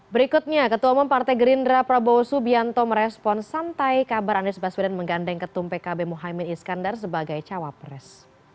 berikutnya ketua umum partai gerindra prabowo subianto merespon santai kabar anies baswedan menggandeng ketum pkb muhaymin iskandar sebagai cawapres